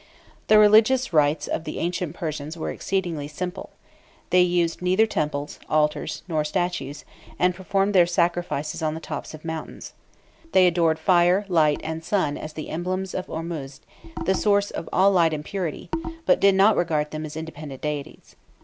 The religious rites of the ancient Persians were exceedingly simple. They used neither temples, altars, nor statues, and performed their sacrifices on the tops of mountains. They adored fire, light, and the sun as emblems of Ormuzd, the source of all light and purity, but did not regard them as independent deities.